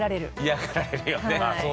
嫌がられるよね。